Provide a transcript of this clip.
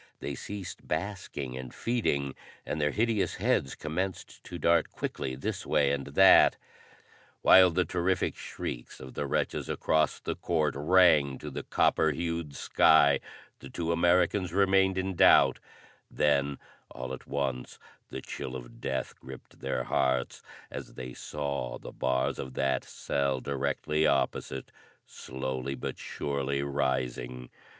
They ceased basking and feeding, and their hideous heads commenced to dart quickly this way and that. While the terrific shrieks of the wretches across the court rang to the copper hued sky, the two Americans remained in doubt; then all at once the chill of death gripped their hearts, as they saw the bars of that cell directly opposite slowly but surely rising!